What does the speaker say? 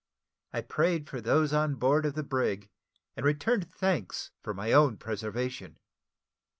I prayed for those on board of the brig, and returned thanks for my own preservation.